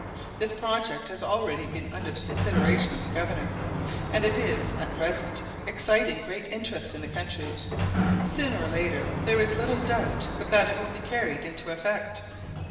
This project has already been under the consideration of the Governor, and is at present exciting great interest in the country: sooner or later there is little doubt but that it will be carried into effect.